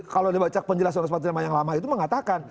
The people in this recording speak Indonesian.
kalau dibaca penjelasan yang lama itu mengatakan